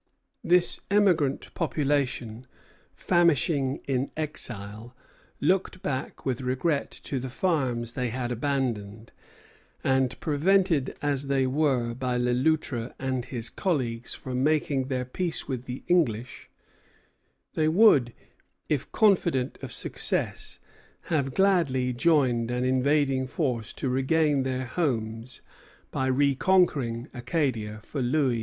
This emigrant population, famishing in exile, looked back with regret to the farms they had abandoned; and, prevented as they were by Le Loutre and his colleagues from making their peace with the English, they would, if confident of success, have gladly joined an invading force to regain their homes by reconquering Acadia for Louis XV.